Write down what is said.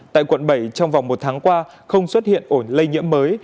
tại quận bảy trong vòng một tháng qua không xuất hiện ổ lây nhiễm mới